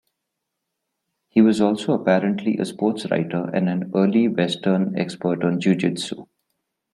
He was also apparently a sports writer and an early Western expert on Jiu-Jitsu.